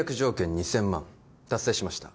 ２０００万達成しました